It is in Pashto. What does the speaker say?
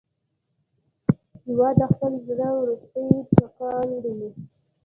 هېواد د خپل زړه وروستی ټکان دی.